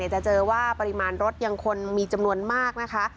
จะเจอว่าปริมาณรถยังควรมีจำนวนมากนะคะ